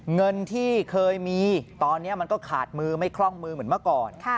เงินที่เคยมีตอนนี้มันก็ขาดมือไม่คล่องมือเหมือนเมื่อก่อน